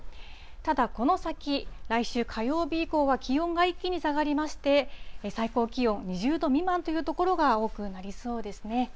ただ、この先、来週火曜日以降は気温が一気に下がりまして、最高気温２０度未満という所が多くなりそうですね。